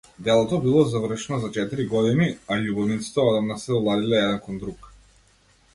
Делото било завршено за четири години, а љубовниците одамна се оладиле еден кон друг.